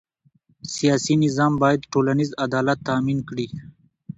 سیاسي نظام باید ټولنیز عدالت تأمین کړي